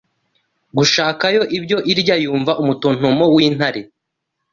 gushaka yo ibyo irya Yumva umutontomo w'intare.